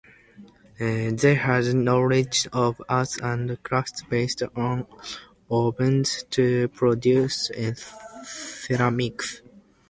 They had a knowledge of arts and crafts based on ovens to produce ceramics.